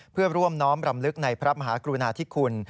เพื่อร่วมน้อมรำลึกในพระมหากรุณาธิคุณ